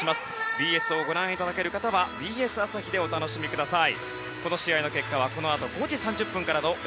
ＢＳをご覧いただける方はＢＳ朝日でお楽しみください。